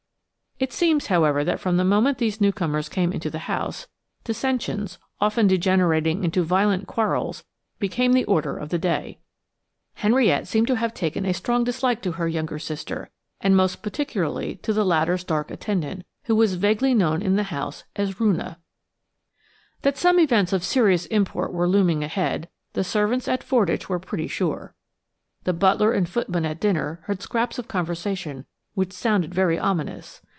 It seems, however, that from the moment these newcomers came into the house, dissensions, often degenerating into violent quarrels, became the order of the day. Henriette seemed to have taken a strong dislike to her younger sister, and most particularly to the latter's dark attendant, who was vaguely known in the house as Roonah. That some events of serious import were looming ahead, the servants at Fordwych were pretty sure. The butler and footmen at dinner heard scraps of conversation which sounded very ominous.